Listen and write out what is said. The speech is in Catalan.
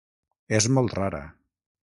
És molt rara.